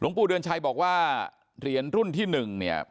หลวงปู่เดือนชัยบอกว่าเหรียญรุ่นที่หนึ่งเนี้ย